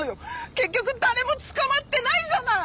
結局誰も捕まってないじゃない！